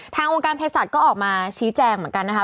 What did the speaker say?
ทางองค์การเพศสัตว์ก็ออกมาชี้แจงเหมือนกันนะคะ